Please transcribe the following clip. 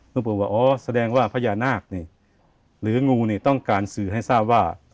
ปู่ว่าอ๋อแสดงว่าพญานาคนี่หรืองูนี่ต้องการสื่อให้ทราบว่า